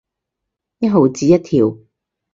一毫子一條